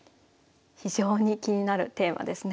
非常に気になるテーマですね。